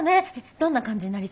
どんな感じになりそう？